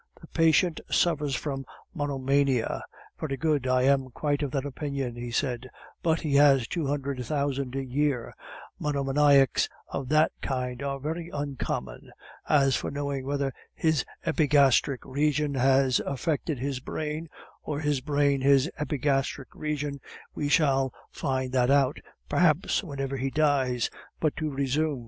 "The patient suffers from monomania; very good, I am quite of that opinion," he said, "but he has two hundred thousand a year; monomaniacs of that kind are very uncommon. As for knowing whether his epigastric region has affected his brain, or his brain his epigastric region, we shall find that out, perhaps, whenever he dies. But to resume.